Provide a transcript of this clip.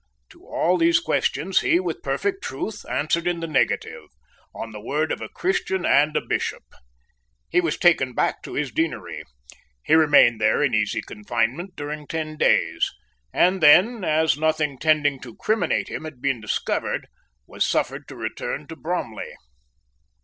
To all these questions he, with perfect truth, answered in the negative, on the word of a Christian and a Bishop. He was taken back to his deanery. He remained there in easy confinement during ten days, and then, as nothing tending to criminate him had been discovered, was suffered to return to Bromley.